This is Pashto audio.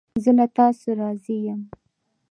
زه له تاسو راضی یم